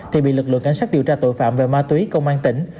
thì bị lực lượng cảnh sát điều tra tội phạm về ma túy công an tỉnh